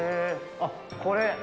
あっ、これ？